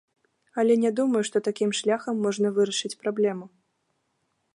Але не думаю, што такім шляхам можна вырашыць праблему.